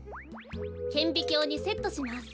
けんびきょうにセットします。